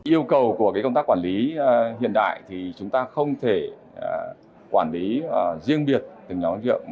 yêu cầu của công tác quản lý hiện đại thì chúng ta không thể quản lý riêng biệt từng nhóm công tác thuế